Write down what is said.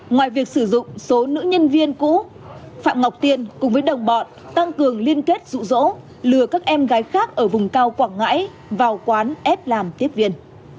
ngoài việc sử dụng số nữ nhân viên cũ phạm ngọc tiên cùng với đồng bọn tăng cường liên kết rụ rỗ lừa các em gái khác ở vùng cao quảng ngãi vào quán ép làm tiếp viên